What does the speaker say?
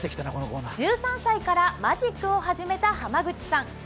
１３歳からマジックを始めた濱口さん。